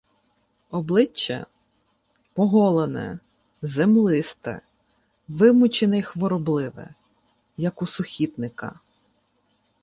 Обличчя - поголене, землисте, вимучене й хворобливе, яку сухітника.